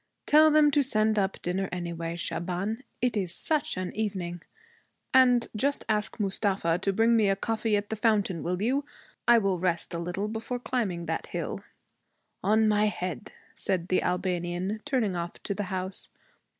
'Tell them to send up dinner anyway, Shaban. It is such an evening! And just ask Mustafa to bring me a coffee at the fountain, will you? I will rest a little before climbing that hill.' 'On my head!' said the Albanian, turning off to the house.